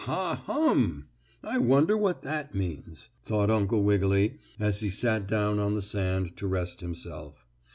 "Ha, hum! I wonder what that means," thought Uncle Wiggily, as he sat down on the sand to rest himself.